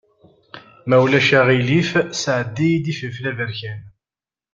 Ma ulac aɣilif sɛeddi-yi-d ifelfel aberkan.